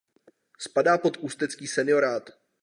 Spadá pod Ústecký seniorát.